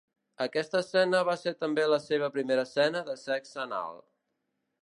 Aquesta escena va ser també la seva primera escena de sexe anal.